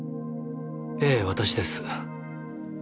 ええ私です。